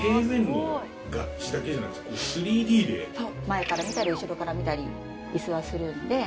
前から見たり後ろから見たり椅子はするんで。